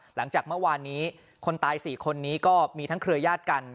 หลังจากเมื่อวานนี้คนตาย๔คนนี้ก็มีทั้งเครือยาศกัน